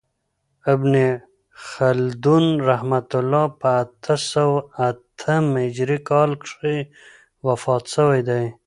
ابن خلدون رحمة الله په اته سوه اتم هجري کال کښي وفات سوی دئ.